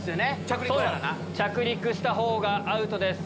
着陸したほうがアウトです。